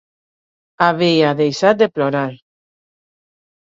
Havia deixat de plorar.